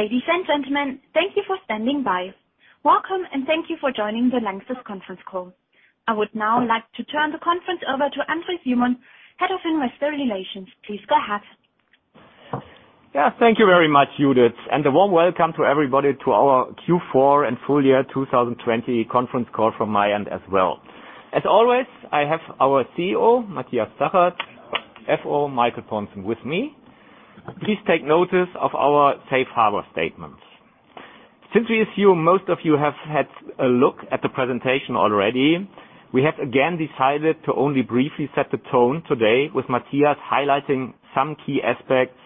Ladies and gentlemen, thank you for standing by. Welcome, and thank you for joining the Lanxess conference call. I would now like to turn the conference over to André Simon, Head of Investor Relations. Please go ahead. Thank you very much, Judith, and a warm welcome to everybody to our Q4 and full year 2020 conference call from my end as well. As always, I have our CEO Matthias Zachert, CFO Michael Pontzen with me. Please take notice of our Safe Harbor statements. Since we assume most of you have had a look at the presentation already, we have again decided to only briefly set the tone today with Matthias highlighting some key aspects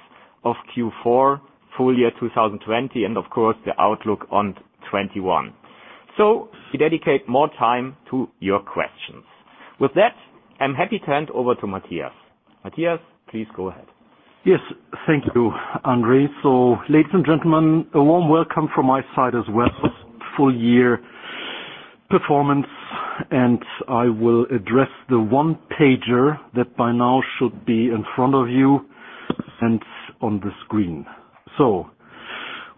of Q4 full year 2020, and of course, the outlook on '21. We dedicate more time to your questions. With that, I am happy to hand over to Matthias. Matthias, please go ahead. Yes. Thank you, André. Ladies and gentlemen, a warm welcome from my side as well. Full year performance, I will address the one pager that by now should be in front of you and on the screen.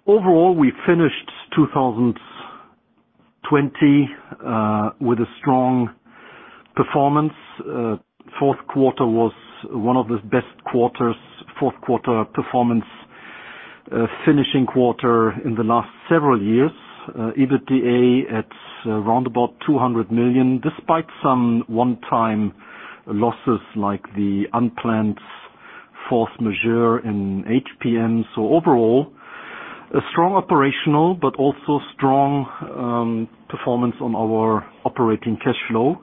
Overall, we finished 2020 with a strong performance. Fourth quarter was one of the best quarters, fourth quarter performance, finishing quarter in the last several years. EBITDA at round about 200 million, despite some one-time losses like the unplanned force majeure in HPM. Overall, strong operational but also strong performance on our operating cash flow.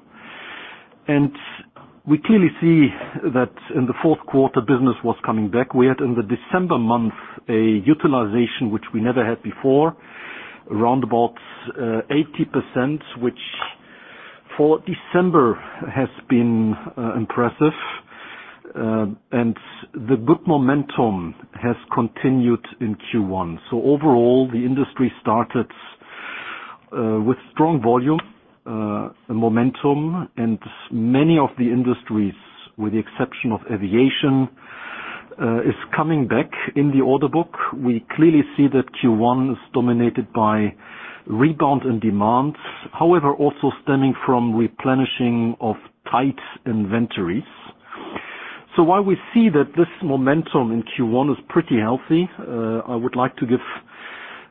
We clearly see that in the fourth quarter, business was coming back. We had in the December month a utilization which we never had before, round about 80%, which for December has been impressive. The good momentum has continued in Q1. Overall, the industry started with strong volume, momentum and many of the industries, with the exception of aviation, is coming back in the order book. We clearly see that Q1 is dominated by rebound in demand, however, also stemming from replenishing of tight inventories. While we see that this momentum in Q1 is pretty healthy, I would like to give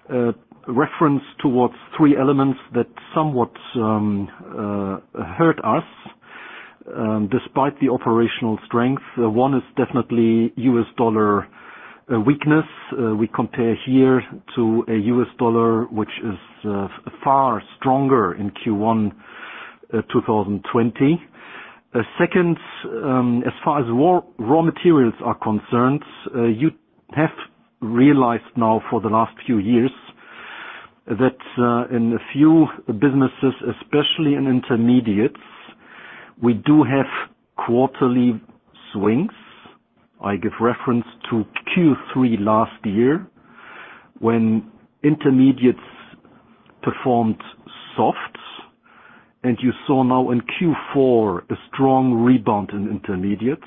a reference towards three elements that somewhat hurt us, despite the operational strength. One is definitely US dollar weakness. We compare here to a US dollar, which is far stronger in Q1 2020. Second, as far as raw materials are concerned, you have realized now for the last few years that, in a few businesses, especially in intermediates, we do have quarterly swings. I give reference to Q3 last year when intermediates performed soft, and you saw now in Q4 a strong rebound in intermediates.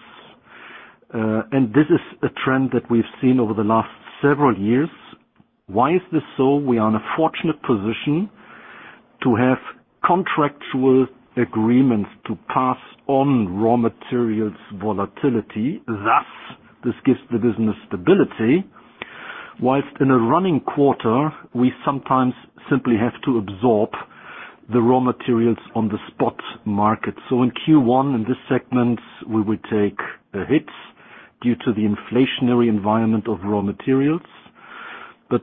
This is a trend that we've seen over the last several years. Why is this so? We are in a fortunate position to have contractual agreements to pass on raw materials volatility, thus this gives the business stability, while in a running quarter, we sometimes simply have to absorb the raw materials on the spot market. In Q1, in this segment, we would take a hit due to the inflationary environment of raw materials.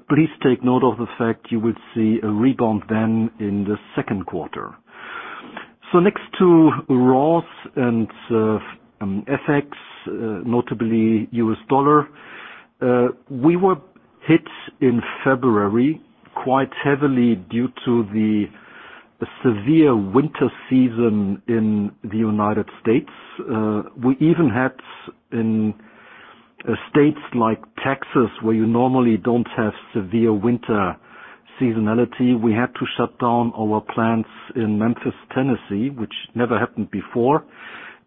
Please take note of the fact you will see a rebound then in the second quarter. Next to raws and FX, notably US dollar, we were hit in February quite heavily due to the severe winter season in the United States. We even had in states like Texas, where you normally don't have severe winter seasonality, we had to shut down our plants in Memphis, Tennessee, which never happened before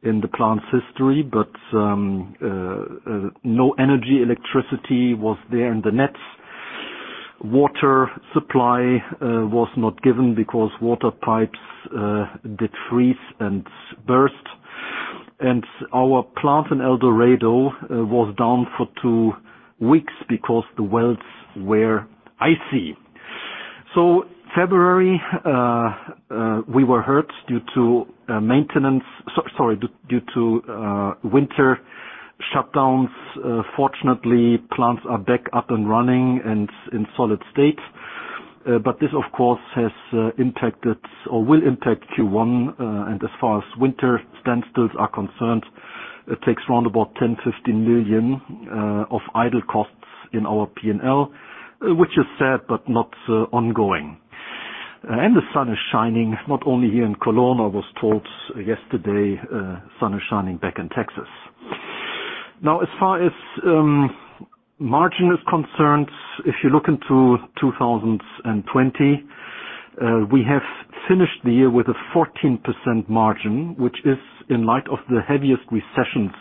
in the plant's history. No energy electricity was there, and the net water supply was not given because water pipes did freeze and burst. Our plant in El Dorado was down for two weeks because the wells were icy. February, we were hurt due to winter shutdowns. Fortunately, plants are back up and running and in solid state. This, of course, has impacted or will impact Q1. As far as winter standstills are concerned, it takes round about 10 million, 15 million of idle costs in our P&L, which is sad but not ongoing. The sun is shining not only here in Cologne. I was told yesterday, sun is shining back in Texas. As far as margin is concerned, if you look into 2020, we have finished the year with a 14% margin, which is in light of the heaviest recessions,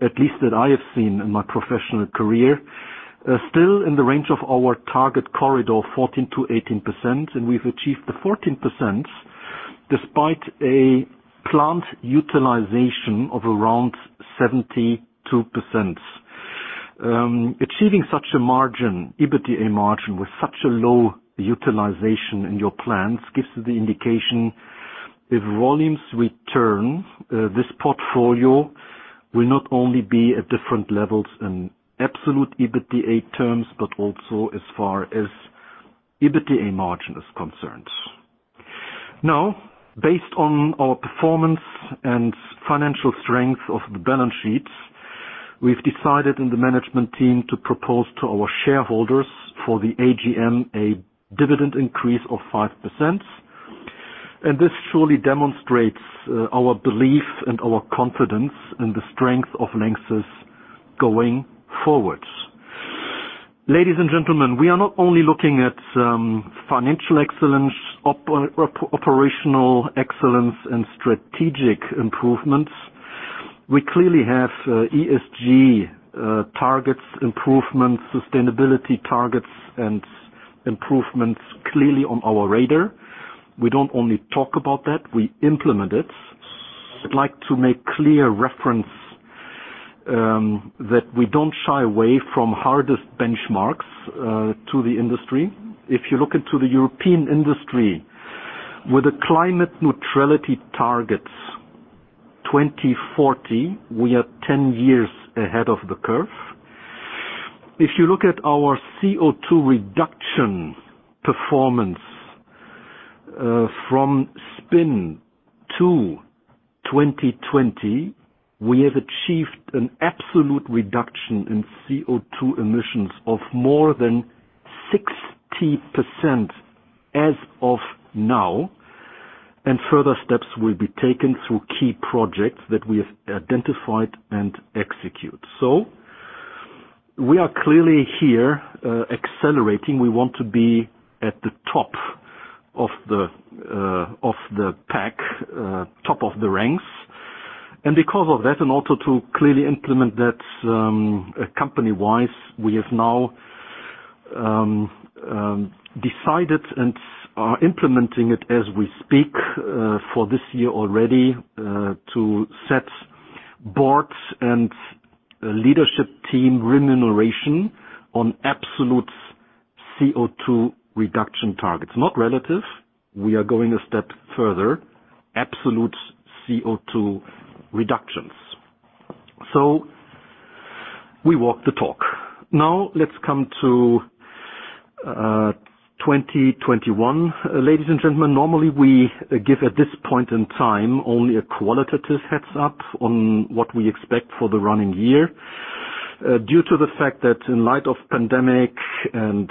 at least that I have seen in my professional career, still in the range of our target corridor, 14%-18%. We've achieved the 14% despite a plant utilization of around 72%. Achieving such an EBITDA margin with such a low utilization in your plants gives the indication if volumes return, this portfolio will not only be at different levels in absolute EBITDA terms, but also as far as EBITDA margin is concerned. Based on our performance and financial strength of the balance sheets, we've decided in the management team to propose to our shareholders for the AGM a dividend increase of 5%. This surely demonstrates our belief and our confidence in the strength of Lanxess going forward. Ladies and gentlemen, we are not only looking at financial excellence, operational excellence, and strategic improvements. We clearly have ESG targets improvements, sustainability targets and improvements clearly on our radar. We don't only talk about that, we implement it. I'd like to make clear reference that we don't shy away from hardest benchmarks to the industry. If you look into the European industry with the climate neutrality targets 2040, we are 10 years ahead of the curve. If you look at our CO2 reduction performance from spin to 2020, we have achieved an absolute reduction in CO2 emissions of more than 60% as of now, and further steps will be taken through key projects that we have identified and execute. We are clearly here accelerating. We want to be at the top of the pack, top of the ranks. Because of that, and also to clearly implement that company-wise, we have now decided and are implementing it as we speak for this year already to set boards and leadership team remuneration on absolute CO2 reduction targets. Not relative. We are going a step further. Absolute CO2 reductions. We walk the talk. Let's come to 2021. Ladies and gentlemen, normally we give at this point in time only a qualitative heads-up on what we expect for the running year. Due to the fact that in light of pandemic and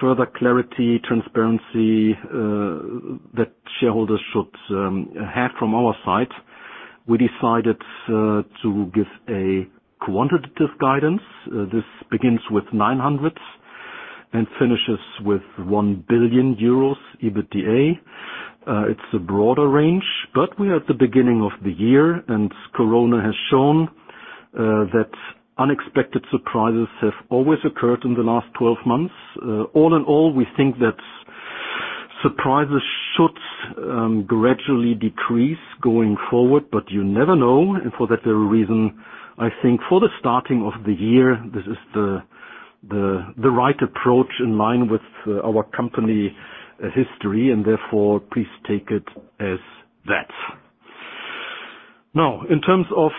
further clarity, transparency that shareholders should have from our side, we decided to give a quantitative guidance. This begins with 900 and finishes with 1 billion euros EBITDA. It's a broader range, but we're at the beginning of the year, and Corona has shown that unexpected surprises have always occurred in the last 12 months. All in all, we think that surprises should gradually decrease going forward, but you never know. For that very reason, I think for the starting of the year, this is the right approach in line with our company history, and therefore, please take it as that. Now, in terms of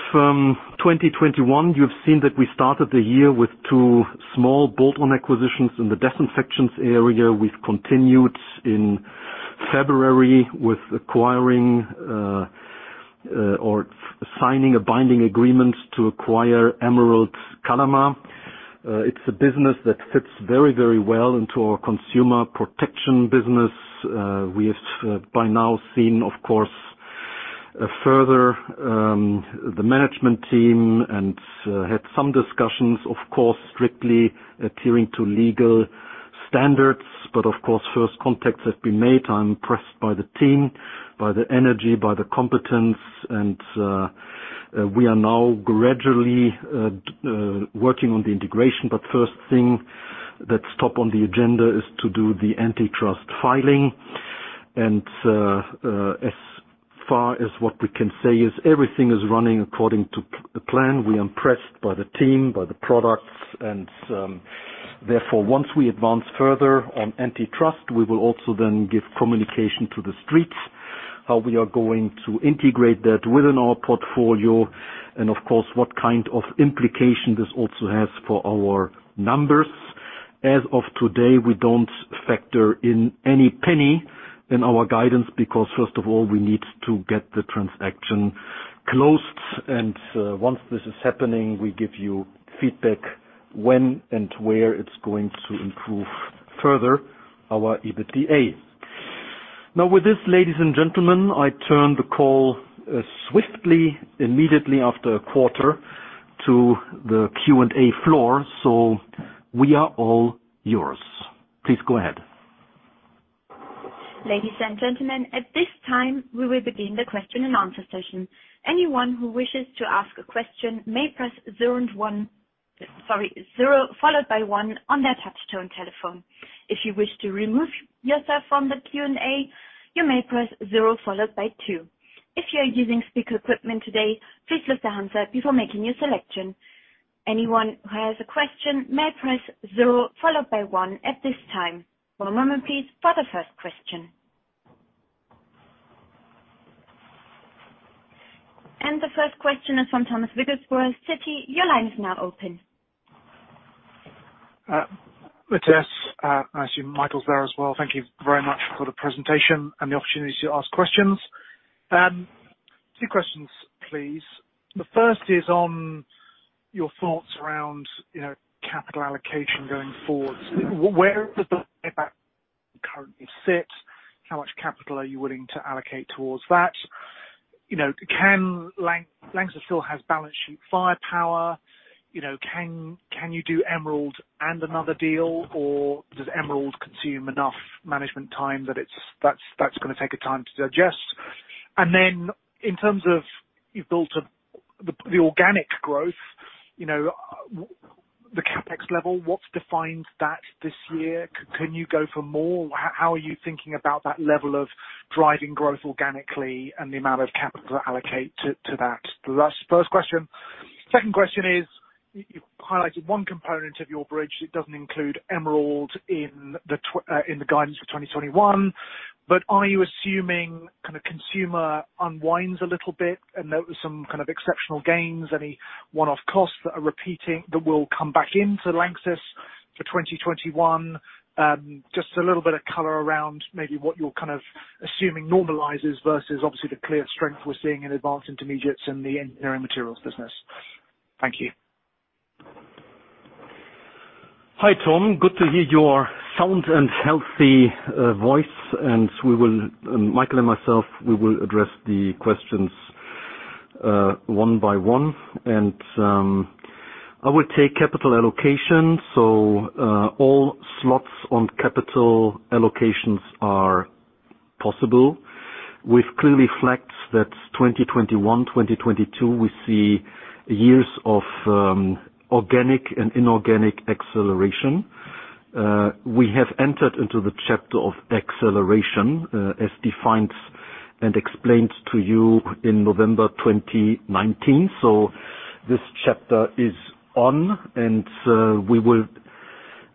2021, you've seen that we started the year with two small bolt-on acquisitions in the disinfections area. We've continued in February with acquiring or signing a binding agreement to acquire Emerald Kalama. It's a business that fits very well into our Consumer Protection business. We have by now seen, of course, further the management team and had some discussions, of course, strictly adhering to legal standards, but of course, first contacts have been made. I'm impressed by the team, by the energy, by the competence. We are now gradually working on the integration, but first thing that's top on the agenda is to do the antitrust filing. As far as what we can say is everything is running according to plan. We are impressed by the team, by the products, and therefore, once we advance further on antitrust, we will also then give communication to the streets, how we are going to integrate that within our portfolio. Of course, what kind of implication this also has for our numbers. As of today, we don't factor in any penny in our guidance because first of all, we need to get the transaction closed. Once this is happening, we give you feedback when and where it's going to improve further our EBITDA. With this, ladies and gentlemen, I turn the call swiftly, immediately after a quarter, to the Q&A floor. We are all yours. Please go ahead. Ladies and gentlemen, at this time, we will begin the question and answer session. Anyone who wishes to ask a question may press zero followed by one on their touch tone telephone. If you wish to remove yourself from the Q&A, you may press zero followed by two. If you are using speaker equipment today, please lift the handset before making your selection. Anyone who has a question may press zero followed by one at this time. One moment please, for the first question. The first question is from Thomas Wrigglesworth with Citi. Your line is now open. Hi, Matthias. I assume Michael's there as well. Thank you very much for the presentation and the opportunity to ask questions. Two questions please. The first is on your thoughts around capital allocation going forward. Where does the payback currently sit? How much capital are you willing to allocate towards that? Lanxess still has balance sheet firepower. Can you do Emerald and another deal, or does Emerald consume enough management time that's going to take time to digest? And then in terms of, you've built the organic growth, the CapEx level. What defines that this year? Can you go for more? How are you thinking about that level of driving growth organically and the amount of capital allocate to that? That's the first question. Second question is, you've highlighted one component of your bridge. It doesn't include Emerald in the guidance for 2021. Are you assuming consumer unwinds a little bit and there was some kind of exceptional gains, any one-off costs that are repeating that will come back into Lanxess for 2021? Just a little bit of color around maybe what you're kind of assuming normalizes versus obviously the clear strength we're seeing in Advanced Intermediates and the Engineering Materials business. Thank you. Hi, Tom. Good to hear your sound and healthy voice, and Michael and myself, we will address the questions one by one. I will take capital allocation. All slots on capital allocations are possible. We've clearly flexed that 2021, 2022 we see years of organic and inorganic acceleration. We have entered into the chapter of acceleration, as defined and explained to you in November 2019. This chapter is on, and we will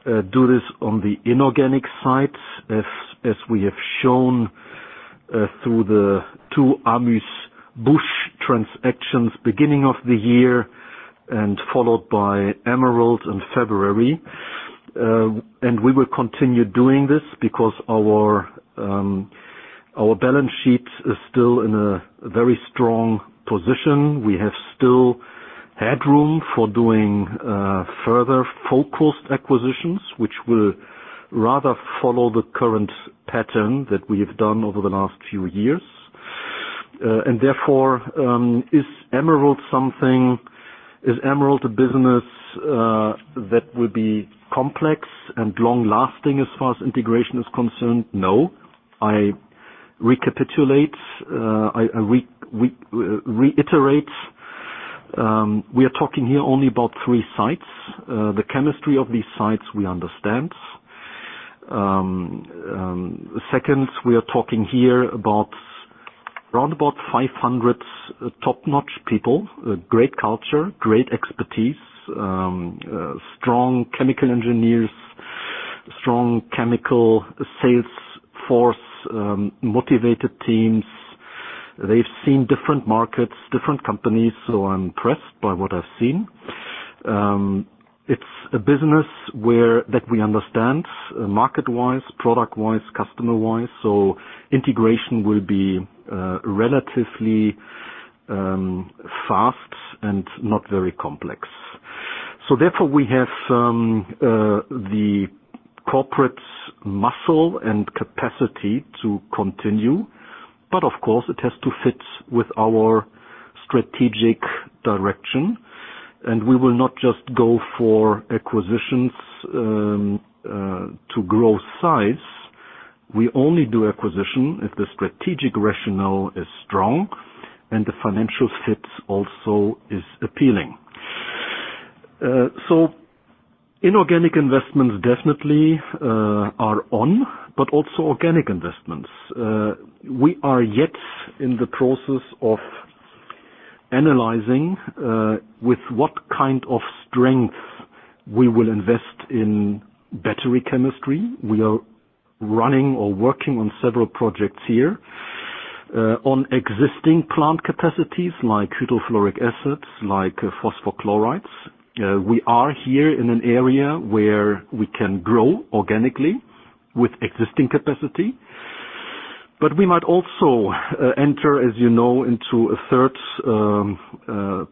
do this on the inorganic side as we have shown through the two [Amus Bush transactions beginning of the year and followed by Emerald in February. We will continue doing this because our balance sheet is still in a very strong position. We have still headroom for doing further focused acquisitions, which will rather follow the current pattern that we have done over the last few years. Therefore, is Emerald a business that will be complex and long-lasting as far as integration is concerned? No. I reiterate. We are talking here only about three sites. The chemistry of these sites we understand. Second, we are talking here about around about 500 top-notch people, great culture, great expertise, strong chemical engineers, strong chemical sales force, motivated teams. They've seen different markets, different companies, I'm impressed by what I've seen. It's a business that we understand market-wise, product-wise, customer-wise, integration will be relatively fast and not very complex. Therefore we have the corporate muscle and capacity to continue. Of course it has to fit with our strategic direction. We will not just go for acquisitions to grow size. We only do acquisition if the strategic rationale is strong and the financial fit also is appealing. Inorganic investments definitely are on, but also organic investments. We are yet in the process of analyzing with what kind of strength we will invest in battery chemistry. We are running or working on several projects here. On existing plant capacities like hydrofluoric acids, like phosphorus chlorides. We are here in an area where we can grow organically with existing capacity. We might also enter, as you know, into a third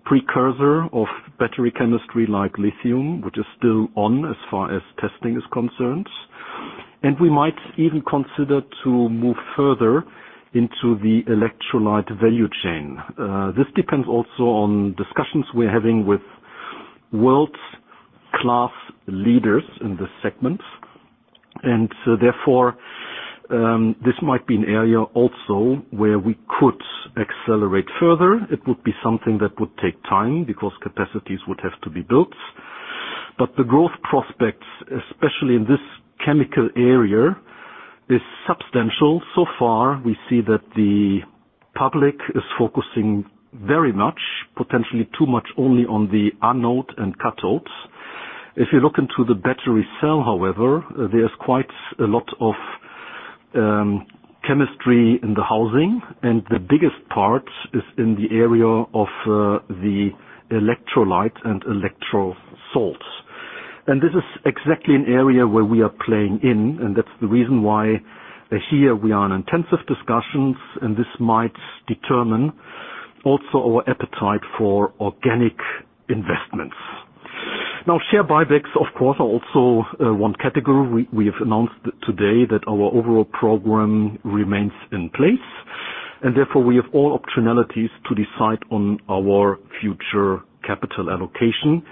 precursor of battery chemistry like lithium, which is still on as far as testing is concerned. We might even consider to move further into the electrolyte value chain. This depends also on discussions we're having with world-class leaders in this segment. Therefore, this might be an area also where we could accelerate further. It would be something that would take time because capacities would have to be built. The growth prospects, especially in this chemical area, is substantial. So far, we see that the public is focusing very much, potentially too much, only on the anode and cathodes. If you look into the battery cell, however, there's quite a lot of chemistry in the housing, and the biggest part is in the area of the electrolyte and electrolyte salts. This is exactly an area where we are playing in, and that's the reason why here we are in intensive discussions, and this might determine also our appetite for organic investments. Now, share buybacks, of course, are also one category. We have announced today that our overall program remains in place, and therefore we have all optionality's to decide on our future capital allocation,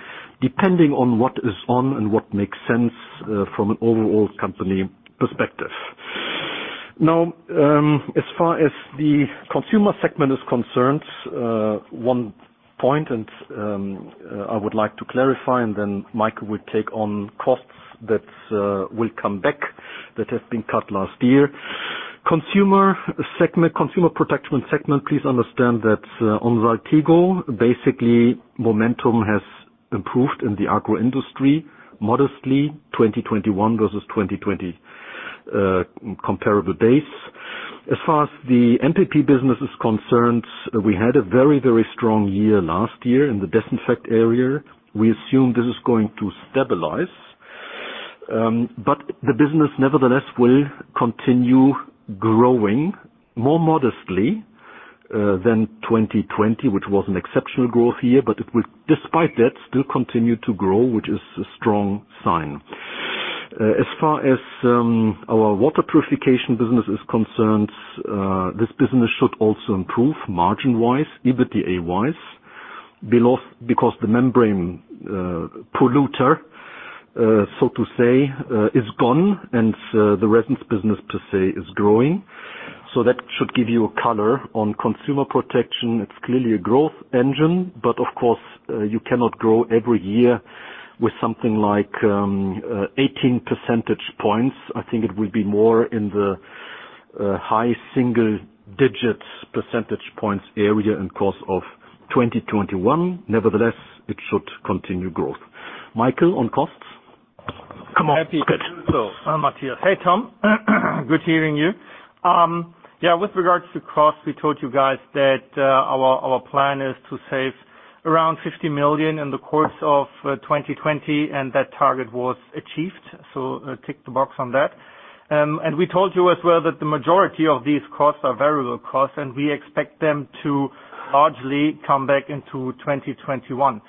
depending on what is on and what makes sense from an overall company perspective. As far as the consumer segment is concerned, one point I would like to clarify, and then Michael will take on costs that will come back that have been cut last year. Consumer Protection segment, please understand that on Saltigo, basically momentum has improved in the agro industry modestly 2021 versus 2020 comparable base. As far as the MPP business is concerned, we had a very strong year last year in the disinfect area. We assume this is going to stabilize. The business, nevertheless, will continue growing more modestly than 2020, which was an exceptional growth year. It will, despite that, still continue to grow, which is a strong sign. As far as our water purification business is concerned, this business should also improve margin-wise, EBITDA-wise, because the membrane polluter, so to say, is gone and the resins business, per se, is growing. That should give you a color on Consumer Protection. It's clearly a growth engine, but of course, you cannot grow every year with something like 18 percentage points. I think it will be more in the high single digits percentage points area in course of 2021. Nevertheless, it should continue growth. Michael, on costs? Come on. Happy to do so, Matthias. Hey, Tom. Good hearing you. With regards to cost, we told you guys that our plan is to save around 50 million in the course of 2020, and that target was achieved, so tick the box on that. We told you as well that the majority of these costs are variable costs, and we expect them to largely come back into 2021.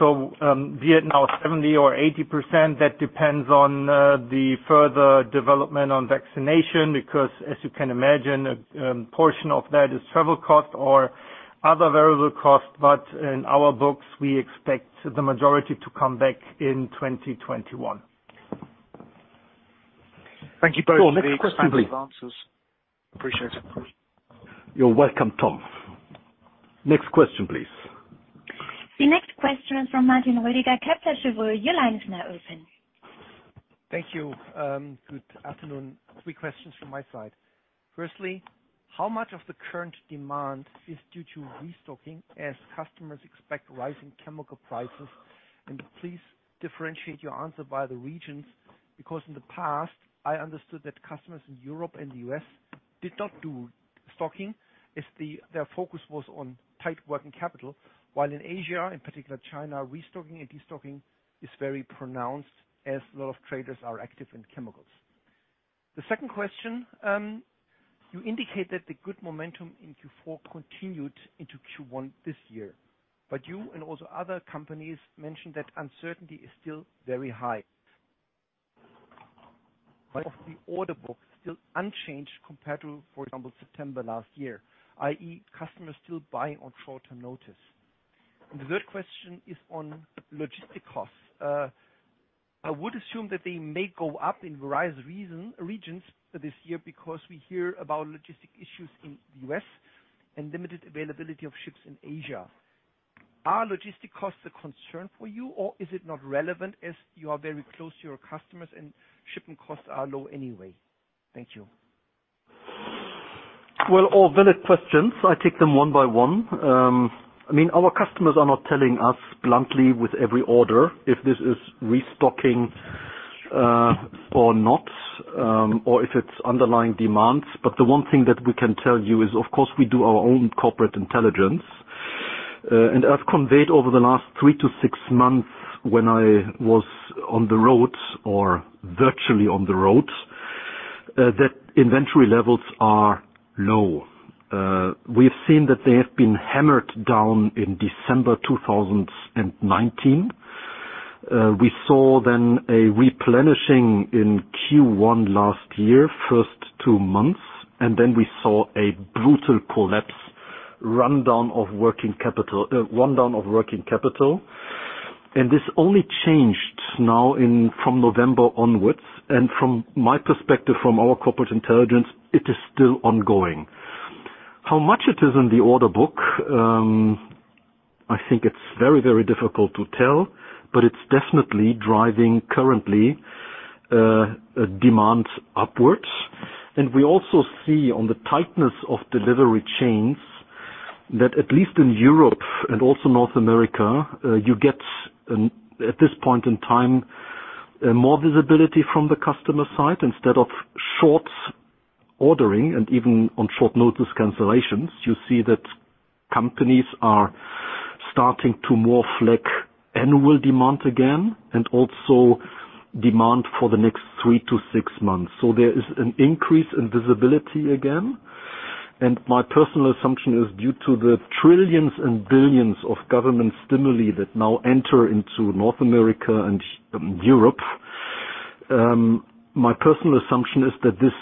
Be it now 70% or 80%, that depends on the further development on vaccination, because as you can imagine, a portion of that is travel cost or other variable cost. In our books, we expect the majority to come back in 2021. Thank you both for the extensive answers. Appreciate it. You are welcome, Tom. Next question, please. The next question is from Martin Roediger, your line is now open. Thank you. Good afternoon. Three questions from my side. Firstly, how much of the current demand is due to restocking as customers expect rising chemical prices? Please differentiate your answer by the regions, because in the past, I understood that customers in Europe and the U.S., did not do stocking as their focus was on tight working capital, while in Asia, in particular China, restocking and destocking is very pronounced as a lot of traders are active in chemicals. The second question, you indicate that the good momentum in Q4 continued into Q1 this year, but you and also other companies mentioned that uncertainty is still very high. Of the order book, still unchanged compared to, for example, September last year, i.e., customers still buying on short-term notice. The third question is on logistic costs. I would assume that they may go up in various regions this year because we hear about logistic issues in the U.S., and limited availability of ships in Asia. Are logistic costs a concern for you, or is it not relevant as you are very close to your customers and shipping costs are low anyway? Thank you. Well, all valid questions. I take them one by one. Our customers are not telling us bluntly with every order if this is restocking or not, or if it's underlying demands. The one thing that we can tell you is, of course, we do our own corporate intelligence. I've conveyed over the last three to six months when I was on the road or virtually on the road, that inventory levels are low. We have seen that they have been hammered down in December 2019. We saw then a replenishing in Q1 last year, first two months, then we saw a brutal collapse, rundown of working capital. This only changed now from November onwards. From my perspective, from our corporate intelligence, it is still ongoing. How much it is in the order book, I think it's very, very difficult to tell, but it's definitely driving currently demand upwards. We also see on the tightness of delivery chains that at least in Europe and also North America, you get at this point in time, more visibility from the customer side instead of short ordering and even on short notice cancellations. You see that companies are starting to more flick annual demand again and also demand for the next three to six months. There is an increase in visibility again. My personal assumption is due to the trillions and billions of government stimuli that now enter into North America and Europe. My personal assumption is that this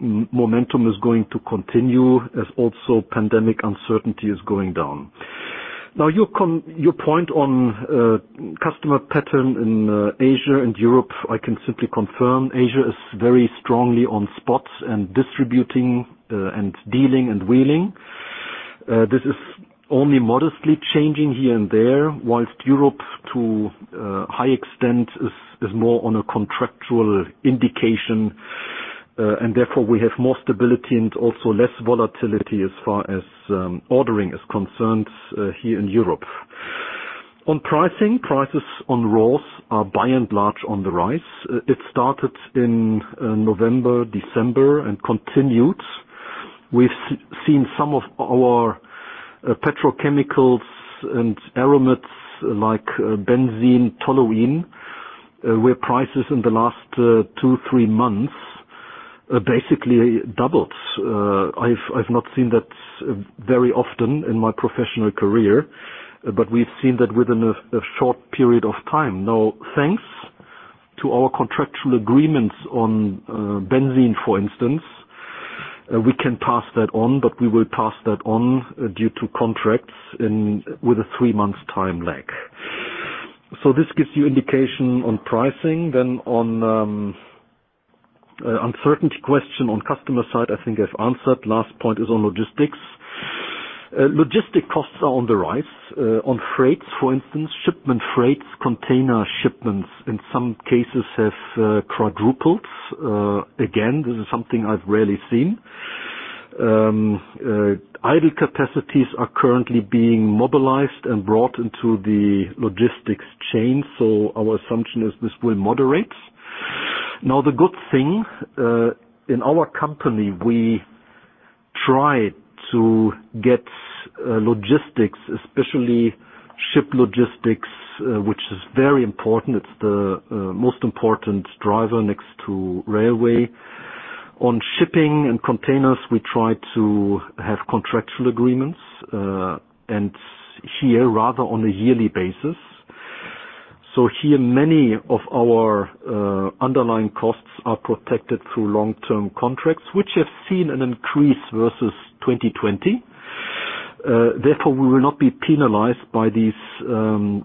momentum is going to continue as also pandemic uncertainty is going down. Your point on customer pattern in Asia and Europe, I can simply confirm Asia is very strongly on spots and distributing and dealing and wheeling. This is only modestly changing here and there, whilst Europe to a high extent is more on a contractual indication. Therefore, we have more stability and also less volatility as far as ordering is concerned here in Europe. On pricing, prices on raws are by and large on the rise. It started in November, December and continued. We've seen some of our petrochemicals and aromatics like benzene, toluene, where prices in the last two, three months basically doubled. I've not seen that very often in my professional career, but we've seen that within a short period of time. Thanks to our contractual agreements on benzene, for instance, we can pass that on, but we will pass that on due to contracts with a three-month time lag. This gives you indication on pricing. On uncertainty question on customer side, I think I've answered. Last point is on logistics. Logistic costs are on the rise. On freights, for instance, shipment freights, container shipments in some cases have quadrupled. Again, this is something I've rarely seen. Idle capacities are currently being mobilized and brought into the logistics chain. Our assumption is this will moderate. The good thing, in our company, we try to get logistics, especially ship logistics, which is very important. It's the most important driver next to railway. On shipping and containers, we try to have contractual agreements, and here, rather on a yearly basis. Here, many of our underlying costs are protected through long-term contracts, which have seen an increase versus 2020. Therefore, we will not be penalized by these 200%,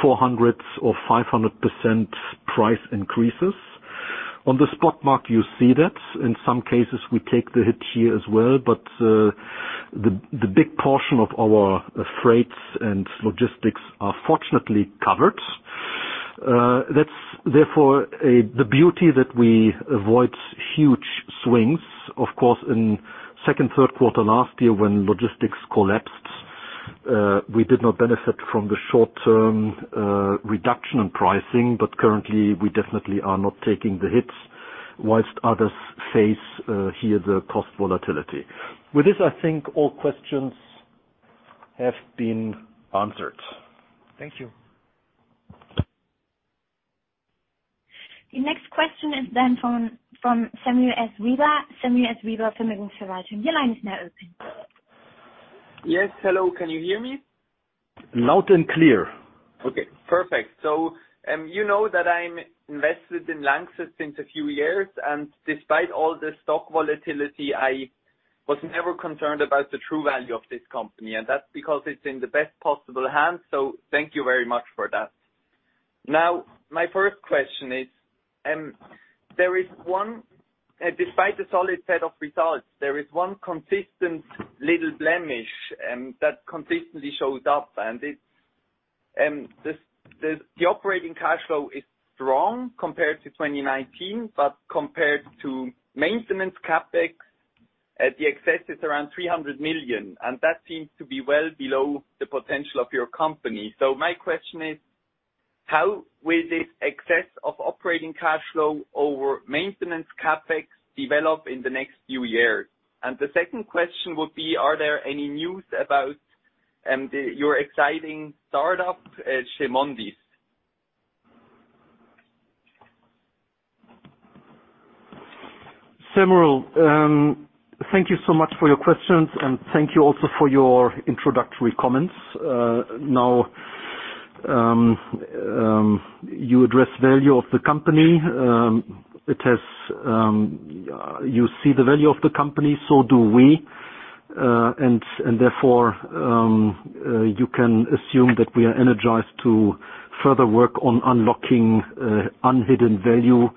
400% or 500% price increases. On the spot mark, you see that. In some cases, we take the hit here as well, but the big portion of our freights and logistics are fortunately covered. That's therefore the beauty that we avoid huge swings. Of course, in second, third quarter last year when logistics collapsed, we did not benefit from the short-term reduction in pricing, but currently we definitely are not taking the hits while others face here the cost volatility. With this, I think all questions have been answered. Thank you. The next question is then from Samuel S. Weber. Samuel S. Weber, Vermögensverwaltung. Your line is now open. Yes. Hello, can you hear me? Loud and clear. Okay, perfect. You know that I'm invested in Lanxess since a few years, and despite all the stock volatility, I was never concerned about the true value of this company, and that's because it's in the best possible hands. Thank you very much for that. My first question is, despite the solid set of results, there is one consistent little blemish that consistently shows up. The operating cash flow is strong compared to 2019. Compared to maintenance CapEx, the excess is around 300 million, that seems to be well below the potential of your company. My question is, how will this excess of operating cash flow over maintenance CapEx develop in the next few years? The second question would be, are there any news about your exciting startup, CheMondis? Samuel, thank you so much for your questions, and thank you also for your introductory comments. You address value of the company. You see the value of the company, so do we. Therefore, you can assume that we are energized to further work on unlocking unhidden value,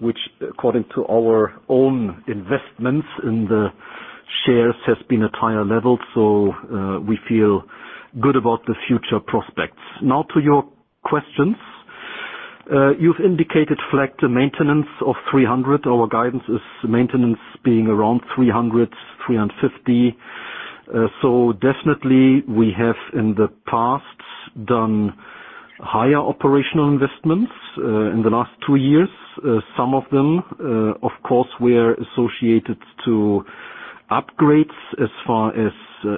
which according to our own investments in the shares, has been at higher levels. We feel good about the future prospects. To your questions. You've indicated, reflect a maintenance of 300 million. Our guidance is maintenance being around 300 million, 350 million. Definitely we have in the past done higher operational investments in the last two years. Some of them, of course, were associated to upgrades as far as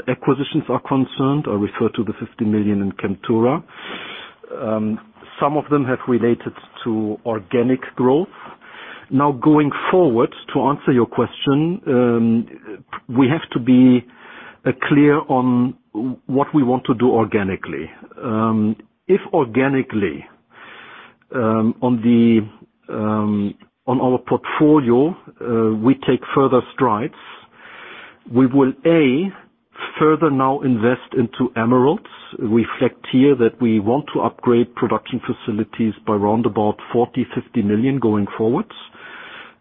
acquisitions are concerned. I refer to the 50 million in Chemtura. Some of them have related to organic growth. Going forward, to answer your question, we have to be clear on what we want to do organically. If organically, on our portfolio, we take further strides, we will, A, further now invest into Emeralds. Reflect here that we want to upgrade production facilities by around about 40 million-50 million going forward.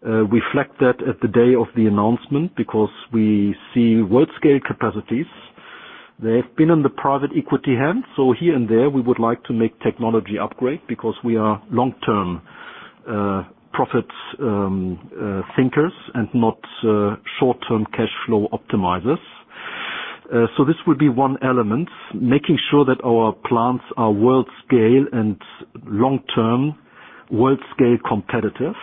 Reflect that at the day of the announcement, because we see world-scale capacities. They have been on the private equity hand, here and there, we would like to make technology upgrade because we are long-term profit thinkers and not short-term cash flow optimizers. This will be one element, making sure that our plants are world-scale and long-term, world-scale competitive.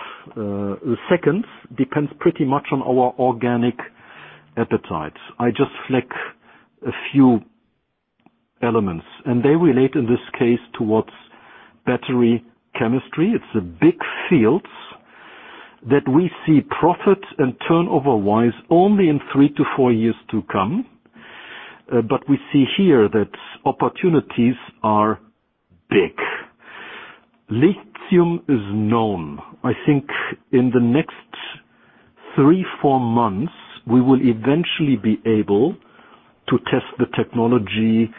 Second depends pretty much on our organic appetite. I just flick a few elements, they relate in this case towards battery chemistry. It's a big field that we see profit and turnover-wise only in three to four years to come. We see here that opportunities are big. Lithium is known. I think in the next three, four months, we will eventually be able to test the technology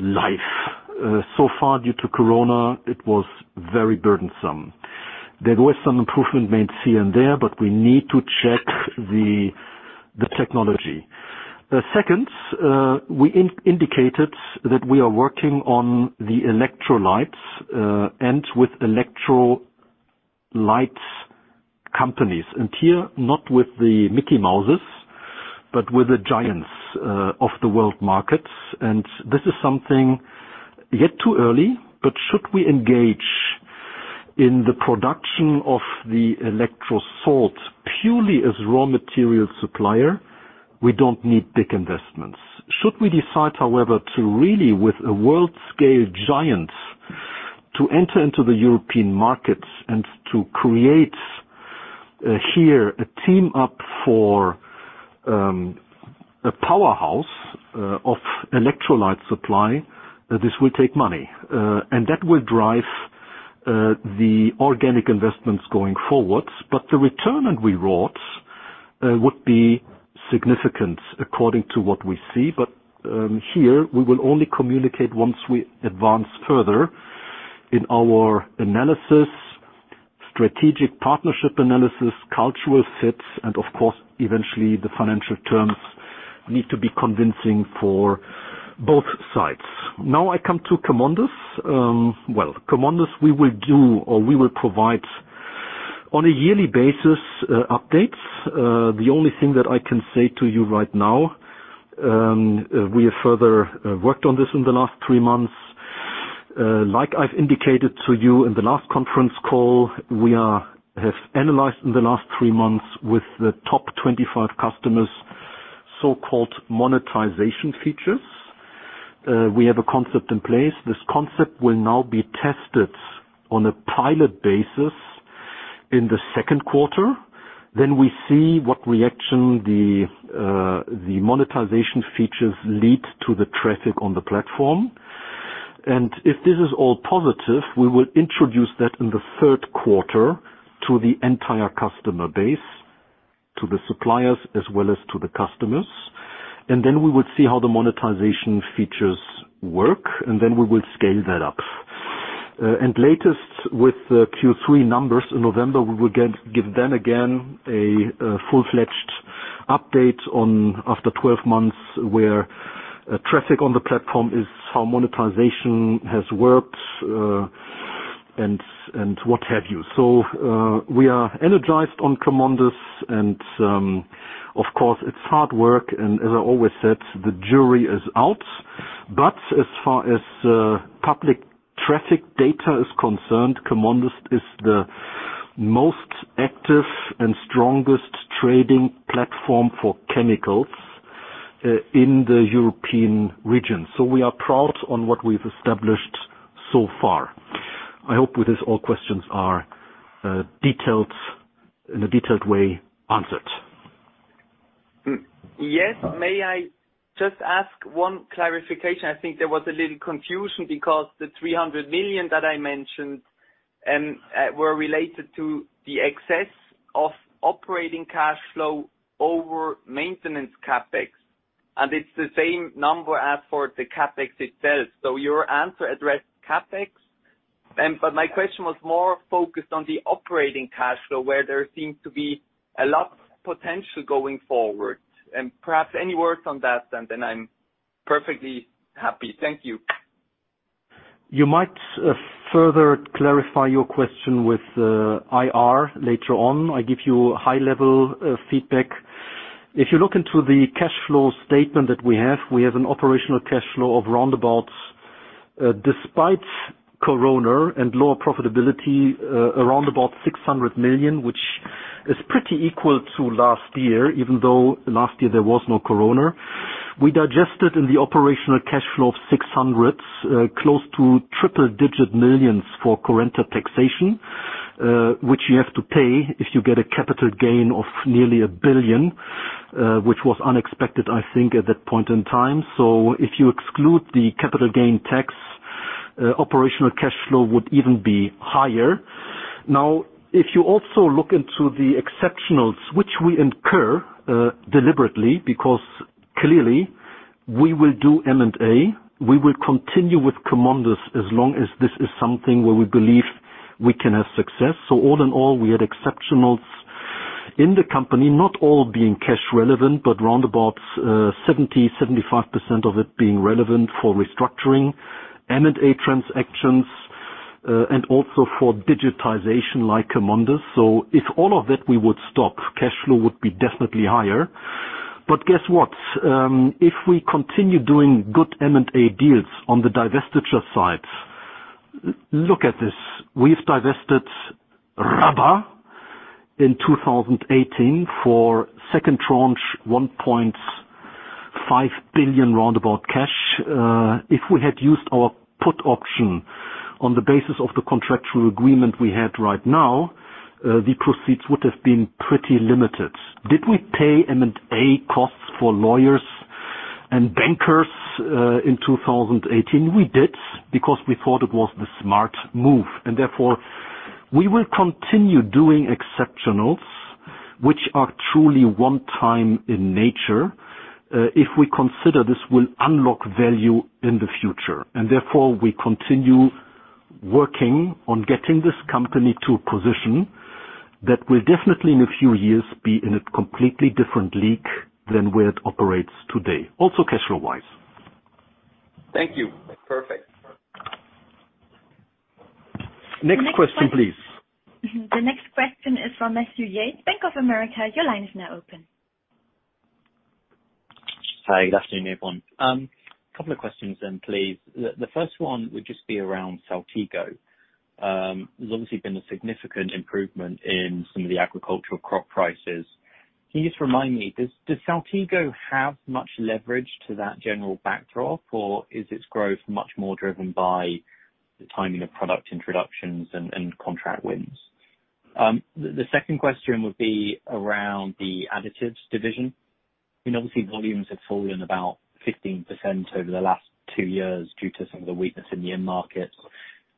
live. So far due to COVID, it was very burdensome. There was some improvement made here and there, but we need to check the technology. Second, we indicated that we are working on the electrolytes and with electrolytes companies, and here, not with the Mickey Mouses, but with the giants of the world markets. This is something yet too early, but should we engage in the production of the electrolyte salts purely as raw material supplier, we don't need big investments. Should we decide, however, to really, with a world-scale giant, to enter into the European market and to create here a team up for a powerhouse of electrolyte supply, this will take money. That will drive the organic investments going forward. The return on [we wrought] would be significant according to what we see. Here we will only communicate once we advance further in our analysis, strategic partnership analysis, cultural fits, and of course, eventually the financial terms need to be convincing for both sides. Now I come to CheMondis. Well, CheMondis, we will do, or we will provide on a yearly basis updates. The only thing that I can say to you right now, we have further worked on this in the last three months. Like I've indicated to you in the last conference call, we have analyzed in the last three months with the top 25 customers, so-called monetization features. We have a concept in place. This concept will now be tested on a pilot basis in the second quarter. We see what reaction the monetization features lead to the traffic on the platform. If this is all positive, we will introduce that in the third quarter to the entire customer base, to the suppliers as well as to the customers. We would see how the monetization features work, and then we will scale that up. Latest with the Q3 numbers in November, we will give then again a full-fledged update after 12 months where traffic on the platform is how monetization has worked, and what have you. We are energized on CheMondis and, of course, it's hard work, and as I always said, the jury is out. As far as public traffic data is concerned, CheMondis is the most active and strongest trading platform for chemicals in the European region. We are proud on what we've established so far. I hope with this all questions are in a detailed way answered. Yes. May I just ask one clarification? I think there was a little confusion because the 300 million that I mentioned were related to the excess of operating cash flow over maintenance CapEx, and it's the same number as for the CapEx itself. Your answer addressed CapEx, but my question was more focused on the operating cash flow, where there seems to be a lot of potential going forward. Perhaps any words on that, and then I'm perfectly happy. Thank you. You might further clarify your question with IR later on. I give you high-level feedback. If you look into the cash flow statement that we have, we have an operational cash flow of around about, despite Corona and lower profitability, around about 600 million, which is pretty equal to last year, even though last year there was no Corona. We digested in the operational cash flow of 600, close to triple-digit millions for current taxation, which you have to pay if you get a capital gain of nearly 1 billion, which was unexpected, I think, at that point in time. If you exclude the capital gain tax, operational cash flow would even be higher. If you also look into the exceptionals which we incur deliberately, because clearly we will do M&A, we will continue with CheMondis as long as this is something where we believe we can have success. All in all, we had exceptionals in the company, not all being cash relevant, but roundabout 70%-75% of it being relevant for restructuring M&A transactions, and also for digitization like CheMondis. If all of that we would stop, cash flow would be definitely higher. Guess what? If we continue doing good M&A deals on the divestiture side, look at this. We've divested [rubber] in 2018 for second tranche, 1.5 billion roundabout cash. If we had used our put option on the basis of the contractual agreement we had right now, the proceeds would have been pretty limited. Did we pay M&A costs for lawyers and bankers in 2018? We did, because we thought it was the smart move, and therefore we will continue doing exceptionals, which are truly one time in nature, if we consider this will unlock value in the future. Therefore, we continue working on getting this company to a position that will definitely, in a few years, be in a completely different league than where it operates today, also cash flow-wise. Thank you. Perfect. Next question, please. The next question is from Matthew Yates, Bank of America. Your line is now open. Hi. Good afternoon, everyone. A couple of questions then, please. The first one would just be around Saltigo. There's obviously been a significant improvement in some of the agricultural crop prices. Can you just remind me, does Saltigo have much leverage to that general backdrop, or is its growth much more driven by the timing of product introductions and contract wins? The second question would be around the additives division. Obviously, volumes have fallen about 15% over the last two years due to some of the weakness in the end market.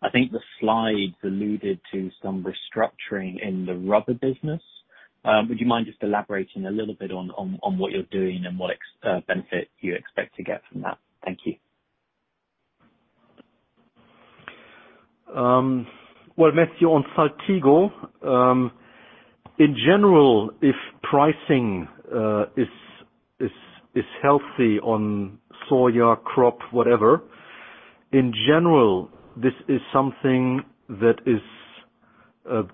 I think the slides alluded to some restructuring in the Rubber Chemicals. Would you mind just elaborating a little bit on what you're doing and what benefit you expect to get from that? Thank you. Well, Matthew, on Saltigo, in general, if pricing is healthy on soya crop, whatever. This is something that is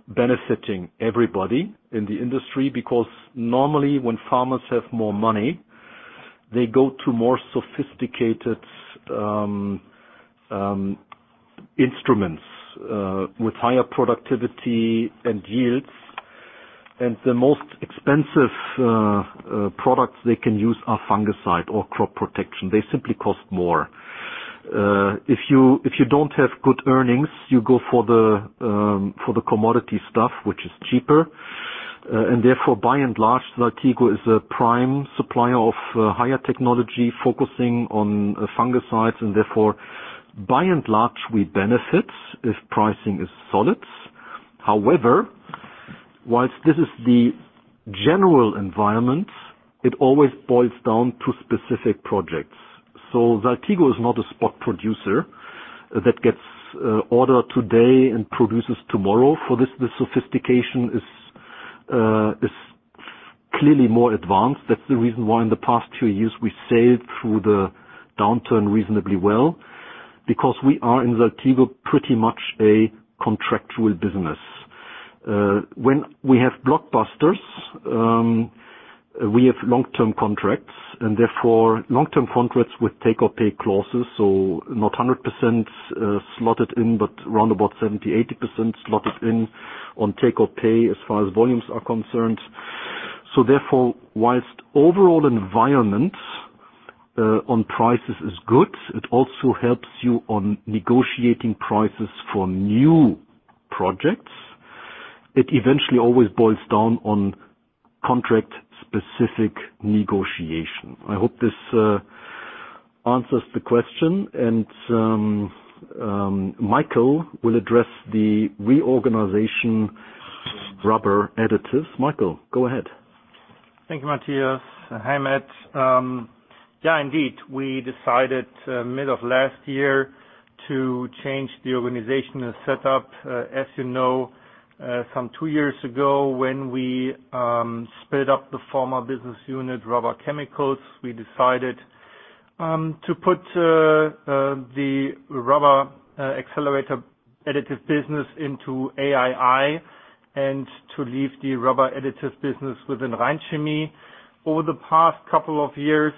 benefiting everybody in the industry because normally when farmers have more money, they go to more sophisticated instruments with higher productivity and yields. The most expensive products they can use are fungicide or crop protection. They simply cost more. If you don't have good earnings, you go for the commodity stuff, which is cheaper. Therefore, by and large, Saltigo is a prime supplier of higher technology, focusing on fungicides, and therefore, by and large, we benefit if pricing is solid. Whilst this is the general environment, it always boils down to specific projects. Saltigo is not a spot producer that gets order today and produces tomorrow. For this, the sophistication is clearly more advanced. That's the reason why in the past two years, we sailed through the downturn reasonably well, because we are, in Saltigo, pretty much a contractual business. When we have blockbusters, we have long-term contracts, and therefore long-term contracts with take or pay clauses. Not 100% slotted in, but around about 70%, 80% slotted in on take or pay as far as volumes are concerned. Whilst overall environment on prices is good. It also helps you on negotiating prices for new projects. It eventually always boils down on contract-specific negotiation. I hope this answers the question. Michael will address the reorganization rubber additives. Michael, go ahead. Thank you, Matthias. Hi, Matt. Yeah, indeed. We decided mid of last year to change the organizational setup. As you know, some two years ago, when we split up the former business unit, Rubber Chemicals, we decided to put the rubber accelerator additive business into AII, and to leave the rubber additives business within Rhein Chemie. Over the past couple of years,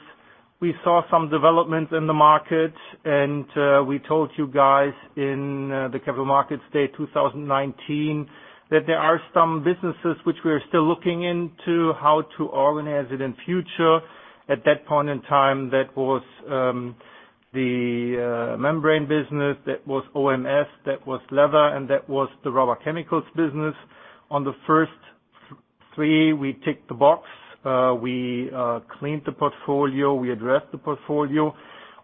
we saw some developments in the market, and we told you guys in the Capital Markets Day 2019 that there are some businesses which we are still looking into how to organize it in future. At that point in time, that was the membrane business, that was OMS, that was leather, and that was the Rubber Chemicals business. On the first three, we ticked the box. We cleaned the portfolio, we addressed the portfolio.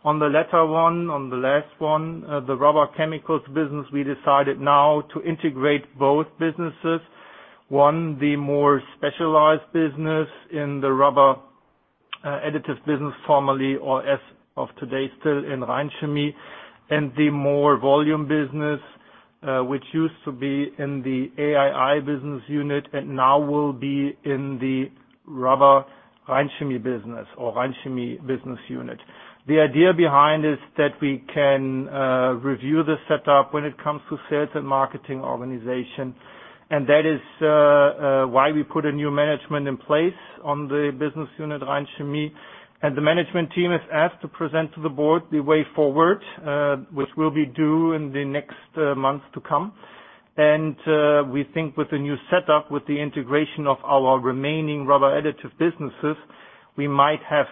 On the latter one, on the last one, the rubber chemicals business, we decided now to integrate both businesses. One, the more specialized business in the rubber additives business formally or as of today still in Rhein Chemie. The more volume business, which used to be in the AII business unit and now will be in the rubber Rhein Chemie business or Rhein Chemie business unit. The idea behind is that we can review the setup when it comes to sales and marketing organization. That is why we put a new management in place on the business unit, Rhein Chemie. The management team is asked to present to the board the way forward, which will be due in the next month to come. We think with the new setup, with the integration of our remaining rubber additive businesses, we might have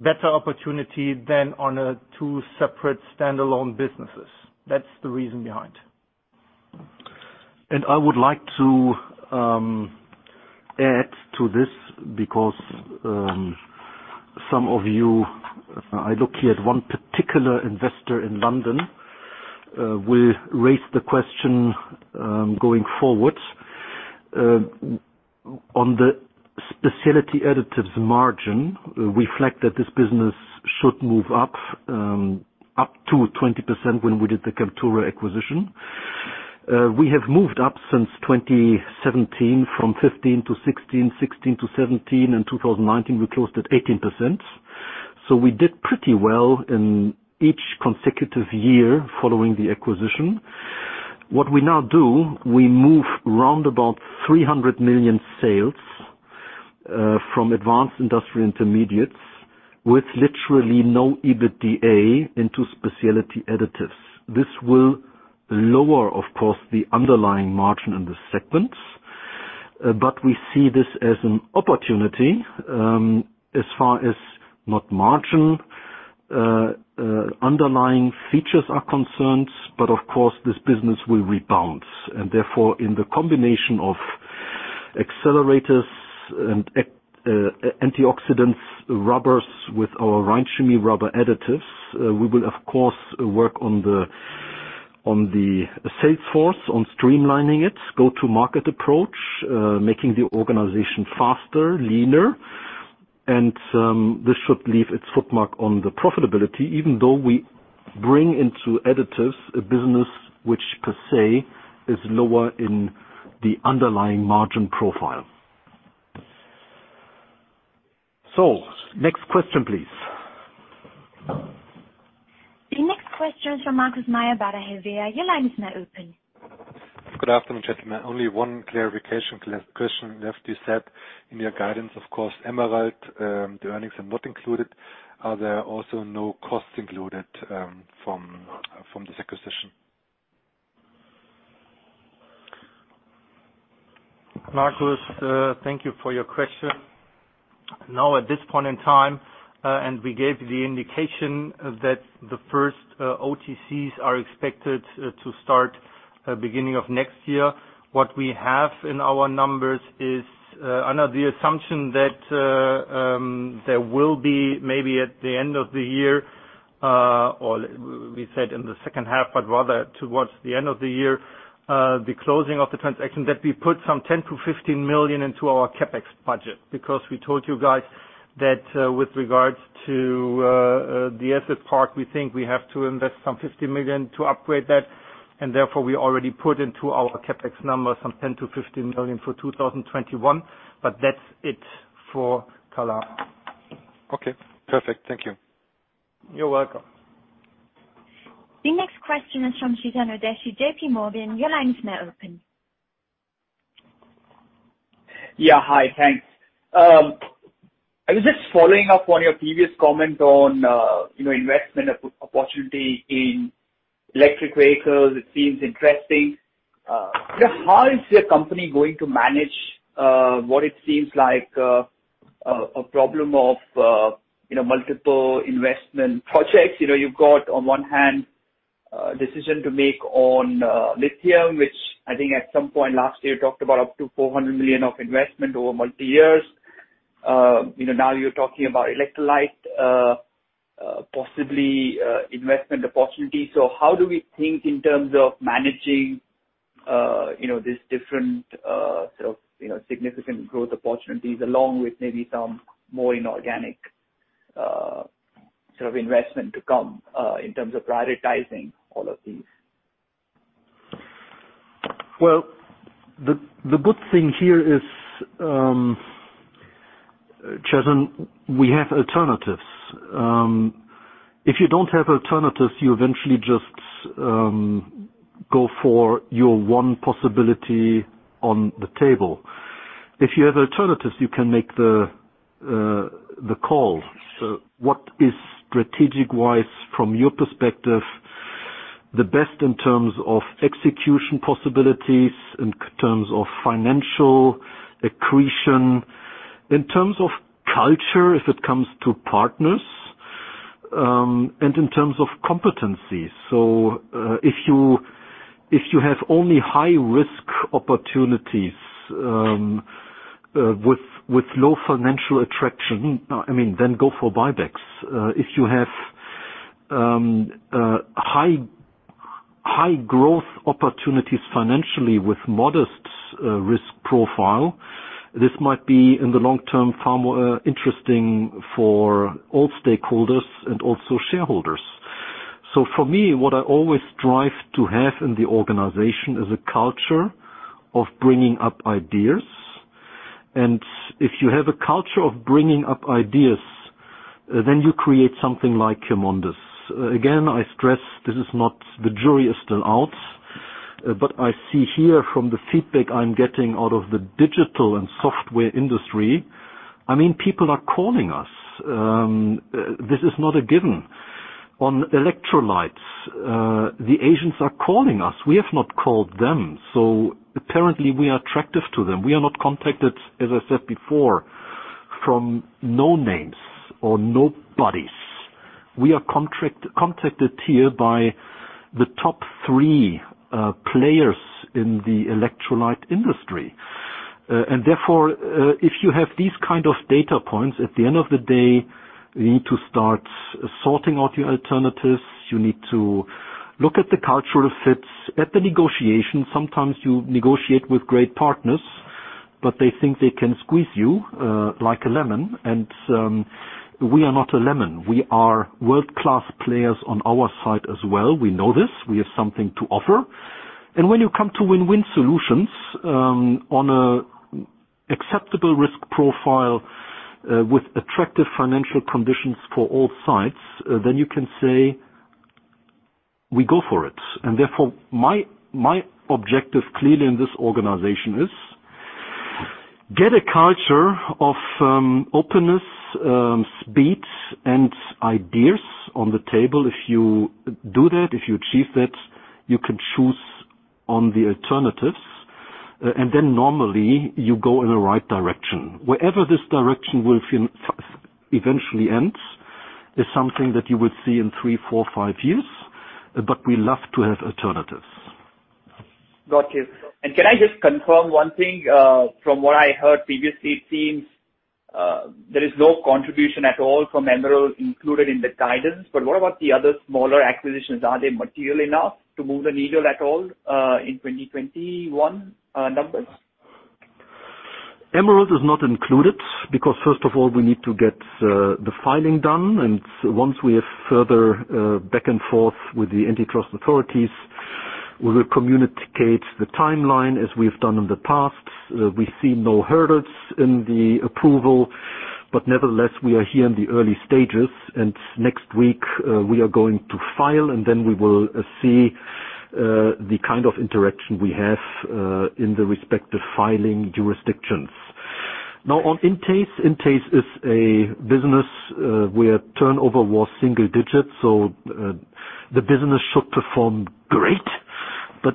better opportunity than on a two separate standalone businesses. That's the reason behind. I would like to add to this because some of you, I look here at one particular investor in London, will raise the question going forward. On the Specialty Additives margin, we flagged that this business should move up to 20% when we did the Chemtura acquisition. We have moved up since 2017, from 15%-16%, 16%-17%, and 2019 we closed at 18%. We did pretty well in each consecutive year following the acquisition. What we now do, we move roundabout 300 million sales from Advanced Industrial Intermediates with literally no EBITDA into Specialty Additives. This will lower, of course, the underlying margin in this segment. We see this as an opportunity, as far as not margin, underlying features are concerned, but of course, this business will rebound. Therefore, in the combination of accelerators and antioxidants rubbers with our Rhein Chemie rubber additives, we will of course, work on the sales force, on streamlining it, go-to-market approach, making the organization faster, leaner. This should leave its footmark on the profitability, even though we bring into additives a business which per se is lower in the underlying margin profile. Next question, please. The next question is from Markus Mayer, Baader Helvea. Your line is now open. Good afternoon, gentlemen. Only one clarification question left. You said in your guidance, of course, Emerald, the earnings are not included. Are there also no costs included from this acquisition? Markus, thank you for your question. At this point in time, we gave the indication that the first OTCs are expected to start beginning of next year. What we have in our numbers is under the assumption that there will be maybe at the end of the year, or we said in the second half, but rather towards the end of the year, the closing of the transaction, that we put some 10 million-15 million into our CapEx budget. We told you guys that with regards to the asset part, we think we have to invest some 50 million to upgrade that, therefore, we already put into our CapEx number some 10 million-15 million for 2021. That's it for Color. Okay, perfect. Thank you. You're welcome. The next question is from Chetan Udeshi, JPMorgan. Your line is now open. Hi, thanks. I was just following up on your previous comment on investment opportunity in Electric vehicles, it seems interesting. How is your company going to manage what it seems like a problem of multiple investment projects? You've got, on one hand, a decision to make on lithium, which I think at some point last year talked about up to 400 million of investment over multi-years. Now you're talking about electrolyte, possibly investment opportunity. How do we think in terms of managing these different significant growth opportunities along with maybe some more inorganic investment to come, in terms of prioritizing all of these? The good thing here is, Chetan, we have alternatives. If you don't have alternatives, you eventually just go for your one possibility on the table. If you have alternatives, you can make the call. What is strategic-wise from your perspective, the best in terms of execution possibilities, in terms of financial accretion, in terms of culture, if it comes to partners, and in terms of competencies. If you have only high-risk opportunities with low financial attraction, go for buybacks. If you have high growth opportunities financially with modest risk profile, this might be, in the long term, far more interesting for all stakeholders and also shareholders. For me, what I always strive to have in the organization is a culture of bringing up ideas. If you have a culture of bringing up ideas, you create something like CheMondis. Again, I stress, the jury is still out, but I see here from the feedback I'm getting out of the digital and software industry, people are calling us. This is not a given. On electrolytes, the Asians are calling us. We have not called them. Apparently we are attractive to them. We are not contacted, as I said before, from no-names or nobodies. We are contacted here by the top three players in the electrolyte industry. Therefore, if you have these kind of data points, at the end of the day, you need to start sorting out your alternatives. You need to look at the cultural fits at the negotiation. Sometimes you negotiate with great partners, but they think they can squeeze you like a lemon, and we are not a lemon. We are world-class players on our side as well. We know this. We have something to offer. When you come to win-win solutions on an acceptable risk profile with attractive financial conditions for all sides, then you can say, "We go for it." Therefore, my objective clearly in this organization is get a culture of openness, speed, and ideas on the table. If you do that, if you achieve that, you can choose on the alternatives, then normally you go in a right direction. Wherever this direction will eventually end is something that you would see in three, four, five years, but we love to have alternatives. Got you. Can I just confirm one thing? From what I heard previously, it seems there is no contribution at all from Emerald included in the guidance. What about the other smaller acquisitions? Are they material enough to move the needle at all in 2021 numbers? Emerald is not included because, first of all, we need to get the filing done, and once we have further back and forth with the antitrust authorities, we will communicate the timeline as we've done in the past. Nevertheless, we are here in the early stages, and next week we are going to file, and then we will see the kind of interaction we have in the respective filing jurisdictions. On INTACE. INTACE, is a business where turnover was single digits. The business should perform great.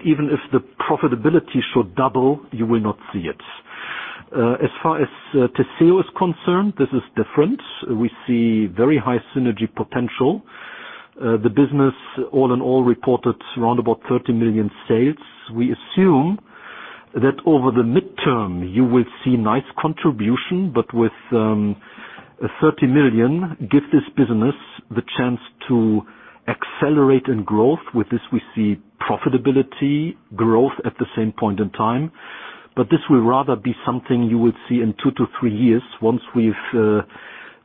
Even if the profitability should double, you will not see it. As far as Theseo is concerned, this is different. We see very high synergy potential. The business all in all reported around about 30 million sales. We assume that over the midterm you will see nice contribution, but with 30 million, give this business the chance to accelerate in growth. With this, we see profitability growth at the same point in time. This will rather be something you would see in two to three years once we've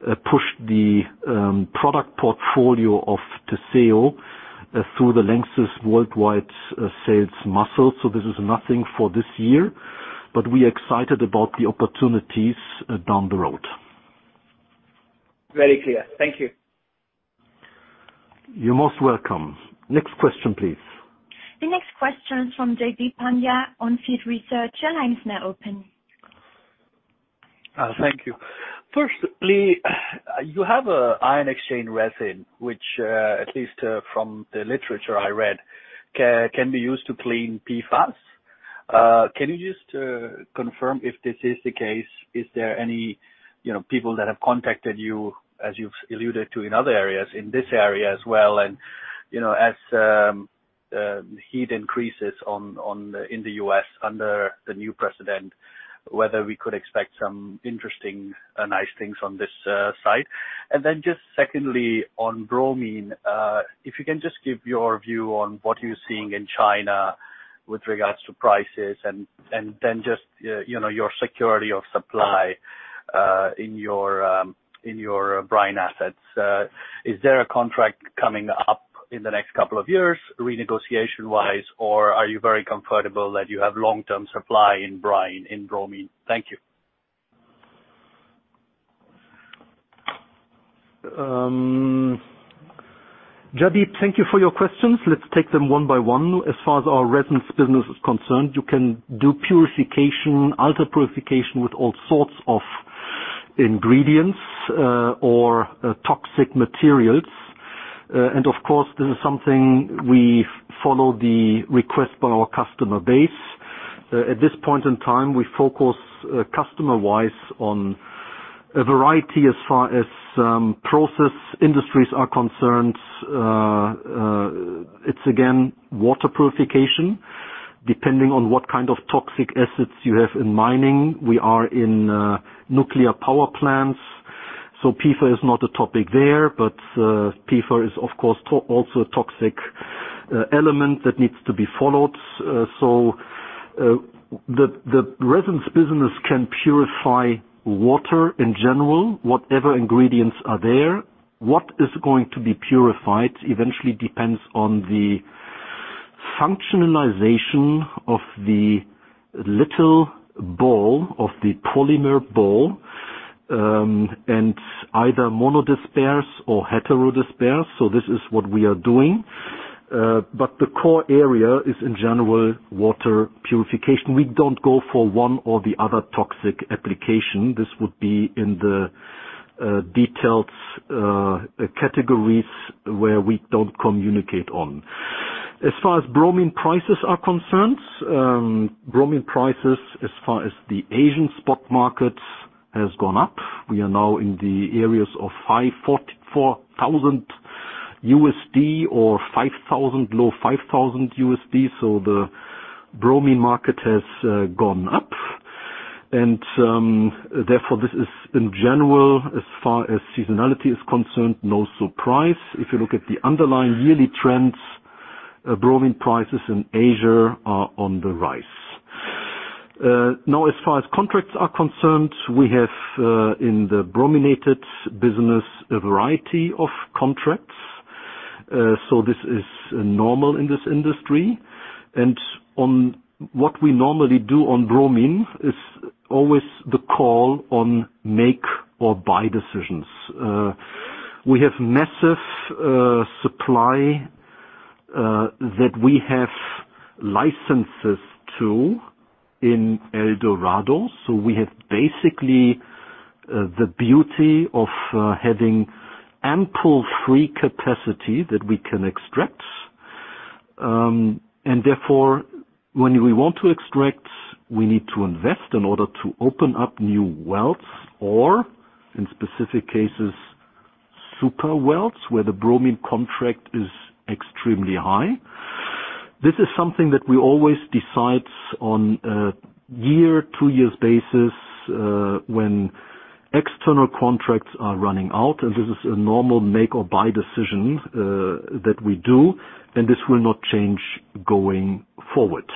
pushed the product portfolio of Theseo through the Lanxess worldwide sales muscle. This is nothing for this year, but we are excited about the opportunities down the road. Very clear. Thank you. You're most welcome. Next question, please. The next question is from Jaideep Pandya on On Field Research. Your line is now open. Thank you. Firstly, you have an ion-exchange resin, which, at least from the literature I read, can be used to clean PFAS. Can you just confirm if this is the case? Is there any people that have contacted you, as you've alluded to in other areas, in this area as well, and as heat increases in the U.S., under the new president, whether we could expect some interesting, nice things on this side? Then just secondly, on bromine, if you can just give your view on what you're seeing in China with regards to prices and then just your security of supply in your brine assets. Is there a contract coming up in the next couple of years, renegotiation-wise, or are you very comfortable that you have long-term supply in brine, in bromine? Thank you. Jaideep, thank you for your questions. Let's take them one by one. As far as our resins business is concerned, you can do purification, ultra-purification with all sorts of ingredients or toxic materials. Of course, this is something we follow the request by our customer base. At this point in time, we focus, customer-wise, on a variety as far as process industries are concerned. It's again, water purification, depending on what kind of toxic assets you have in mining. We are in nuclear power plants. PFAS is not a topic there. PFAS is, of course, also a toxic element that needs to be followed. The resins business can purify water in general, whatever ingredients are there. What is going to be purified eventually depends on the functionalization of the little ball, of the polymer ball, and either monodisperse or heterodisperse. This is what we are doing. The core area is, in general, water purification. We don't go for one or the other toxic application. This would be in the detailed categories where we don't communicate on. As far as bromine prices are concerned, bromine prices, as far as the Asian spot market, has gone up. We are now in the areas of $4,000 or low $5,000. The bromine market has gone up. Therefore, this is in general, as far as seasonality is concerned, no surprise. If you look at the underlying yearly trends, bromine prices in Asia are on the rise. As far as contracts are concerned, we have, in the brominated business, a variety of contracts. This is normal in this industry. On what we normally do on bromine is always the call on make or buy decisions. We have massive supply that we have licenses to in El Dorado. We have basically the beauty of having ample free capacity that we can extract. Therefore, when we want to extract, we need to invest in order to open up new wells or, in specific cases, super wells, where the bromine contract is extremely high. This is something that we always decide on a year, two years basis, when external contracts are running out, and this is a normal make or buy decision that we do, and this will not change going forward.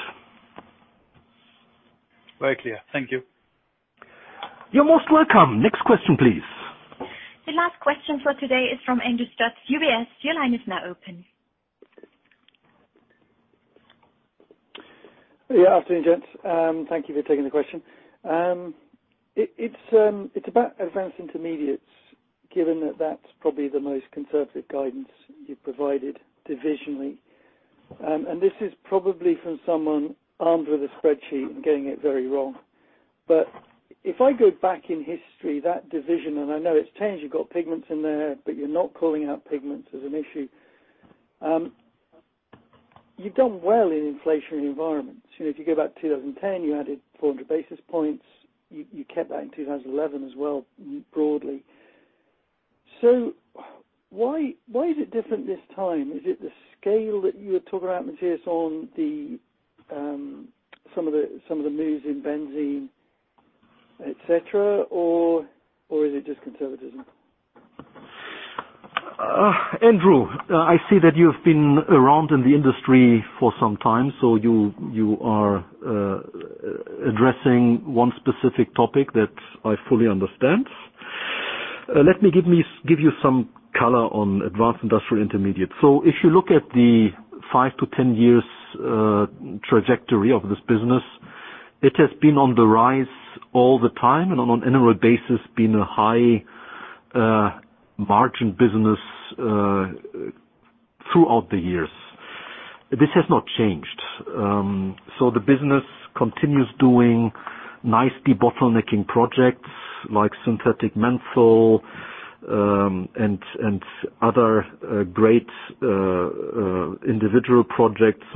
Very clear. Thank you. You're most welcome. Next question, please. The last question for today is from Andrew Stott, UBS. Your line is now open. Yeah. Afternoon, gents. Thank you for taking the question. It's about Advanced Industrial Intermediates, given that that's probably the most conservative guidance you've provided divisionally. This is probably from someone armed with a spreadsheet and getting it very wrong. If I go back in history, that division, and I know it's changed, you've got pigments in there, but you're not calling out pigments as an issue. You've done well in inflationary environments. If you go back to 2010, you added 400 basis points. You kept that in 2011 as well, broadly. Why is it different this time? Is it the scale that you were talking about, Matthias, on some of the moves in benzene, et cetera, or is it just conservatism? Andrew, I see that you've been around in the industry for some time, so you are addressing one specific topic that I fully understand. Let me give you some color on Advanced Industrial Intermediates. If you look at the five to 10 years trajectory of this business, it has been on the rise all the time, and on an annual basis, been a high margin business throughout the years. This has not changed. The business continues doing nicely bottlenecking projects like synthetic menthol, and other great individual projects.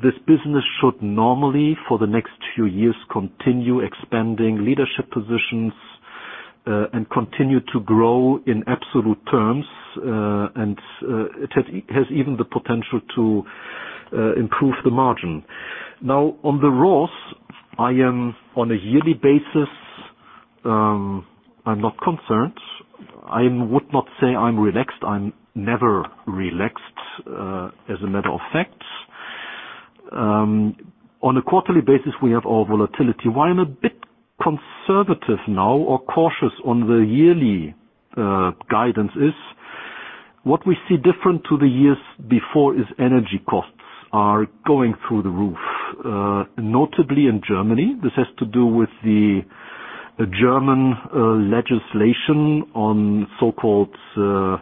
This business should normally for the next few years continue expanding leadership positions, and continue to grow in absolute terms. It has even the potential to improve the margin. Now on the raws, I am on a yearly basis, I'm not concerned. I would not say I'm relaxed. I'm never relaxed, as a matter of fact. On a quarterly basis, we have our volatility. Why I'm a bit conservative now or cautious on the yearly guidance is what we see different to the years before is energy costs are going through the roof, notably in Germany. This has to do with the German legislation on so-called, the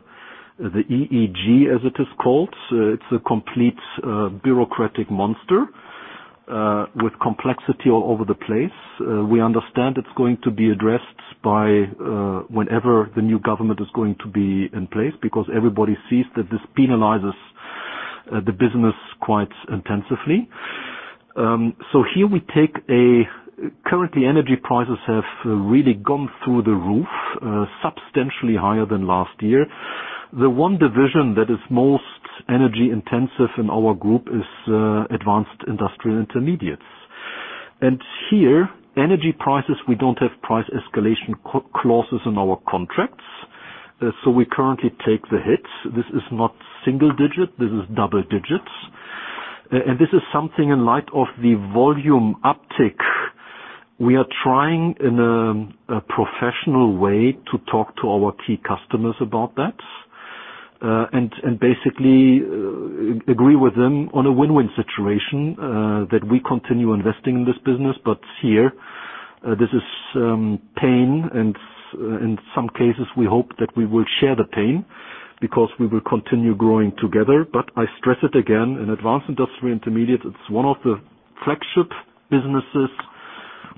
EEG, as it is called. It's a complete bureaucratic monster, with complexity all over the place. We understand it's going to be addressed by whenever the new government is going to be in place because everybody sees that this penalizes the business quite intensively. Currently, energy prices have really gone through the roof, substantially higher than last year. The one division that is most energy-intensive in our group is Advanced Industrial Intermediates. Here, energy prices, we don't have price escalation clauses in our contracts, so we currently take the hits. This is not single-digit, this is double-digits. This is something in light of the volume uptick. We are trying in a professional way to talk to our key customers about that. Basically agree with them on a win-win situation, that we continue investing in this business. Here, this is pain and in some cases, we hope that we will share the pain because we will continue growing together. I stress it again, in Advanced Industrial Intermediates, it's one of the flagship businesses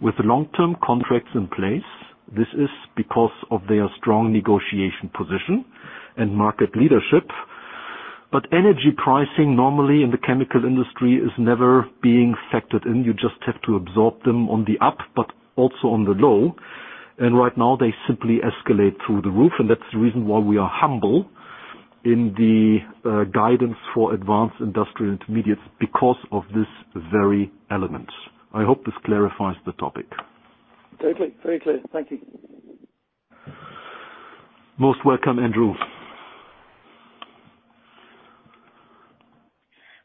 with long-term contracts in place. This is because of their strong negotiation position and market leadership. Energy pricing normally in the chemical industry is never being factored in. You just have to absorb them on the up but also on the low. Right now, they simply escalate through the roof. That's the reason why we are humble in the guidance for Advanced Industrial Intermediates because of this very element. I hope this clarifies the topic. Very clear. Thank you. Most welcome, Andrew.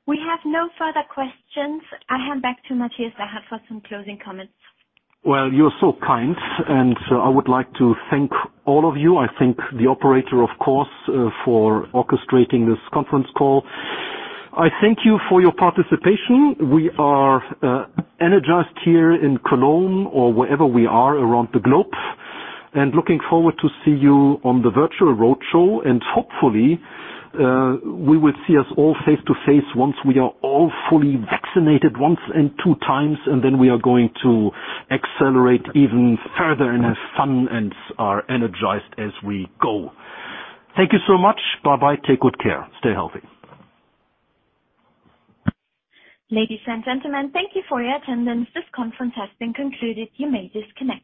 We have no further questions. I hand back to Matthias Zachert for some closing comments. Well, you're so kind. I would like to thank all of you. I thank the operator of course for orchestrating this conference call. I thank you for your participation. We are energized here in Cologne or wherever we are around the globe, looking forward to see you on the virtual roadshow. Hopefully, we will see us all face-to-face once we are all fully vaccinated once and two times. Then we are going to accelerate even further and have fun and are energized as we go. Thank you so much. Bye-bye. Take good care. Stay healthy. Ladies and gentlemen, thank you for your attendance. This conference has been concluded. You may disconnect.